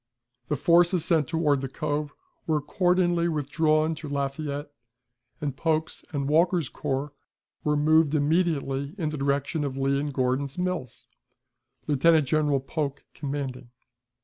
The forces sent toward the Cove were accordingly withdrawn to Lafayette, and Polk's and Walker's corps were moved immediately in the direction of Lee and Gordon's Mills, Lieutenant General Polk commanding.